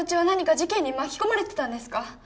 事件に巻き込まれてたんですか！？